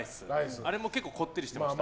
あれも結構こってりしていました。